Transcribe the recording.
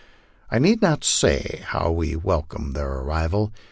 I need not say how we welcomed their arrival.